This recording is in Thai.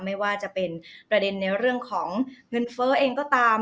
ไม่ว่าจะเป็นประเด็นในเรื่องของเงินเฟ้อเองก็ตาม